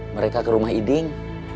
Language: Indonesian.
mereka kerumah iding